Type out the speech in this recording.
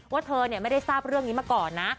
ว่าเธอไม่ได้ทราบเรื่องนี้มาก่อนนะ